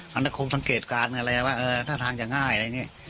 มันคงสังเกตการณ์อะไรว่าท่าทางจะง่ายอะไรอย่างนี้